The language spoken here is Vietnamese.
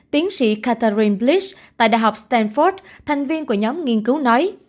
tiến sĩ catherine blish tại đại học stanford thành viên của nhóm nghiên cứu nói